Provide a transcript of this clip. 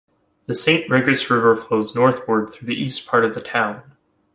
The Saint Regis River flows northward through the east part of the town.